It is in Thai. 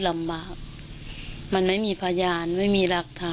ไม่อยากให้พ่อตายพี่